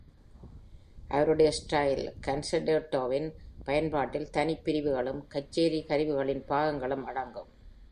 அவருடைய "ஸ்டைல் கன்செர்டேட்டோ"வின் பயன்பாட்டில், தனிப் பிரிவுகளும், கச்சேரி கருவிகளின் பாகங்களும் அடங்கும்.